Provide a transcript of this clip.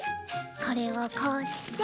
これをこうして。